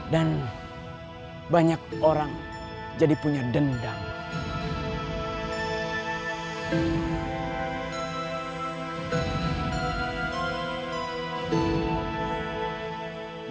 dan banyak orang jadi punya dendam